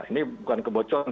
ini bukan kebocoran